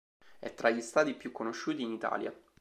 È tra gli stadi più conosciuti in Italia.